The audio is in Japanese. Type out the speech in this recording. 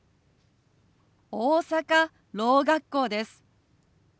大阪ろう学校です。